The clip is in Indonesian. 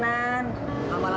lama lama juga pacaran